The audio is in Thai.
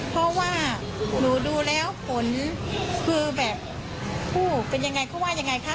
เพราะว่าหนูดูแล้วผลคือแบบผู้เป็นยังไงเขาว่ายังไงคะ